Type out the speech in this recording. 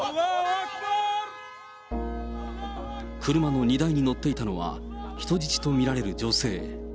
車の荷台に乗っていたのは、人質と見られる女性。